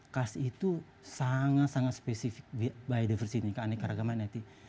karst itu sangat sangat spesifik biodiversitas ini keanekaragaman hayati